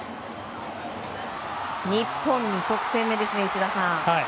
日本、２得点目ですね内田さん！